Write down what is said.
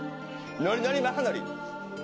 「のりのりまさのり」